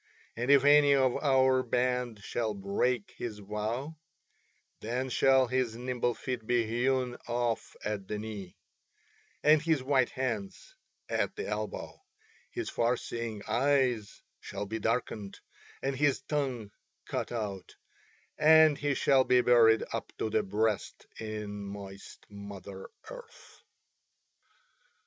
And if any of our band shall break his vow then shall his nimble feet be hewn off at the knee, and his white hands at the elbow, his far seeing eyes shall be darkened, and his tongue cut out, and he shall be buried up to the breast in moist Mother Earth."